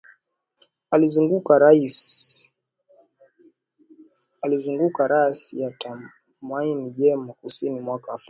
Alizunguka Rasi ya Tumaini Jema kusini mwa Afrika